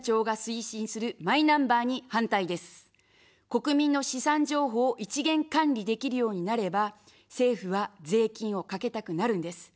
国民の資産情報を一元管理できるようになれば、政府は税金をかけたくなるんです。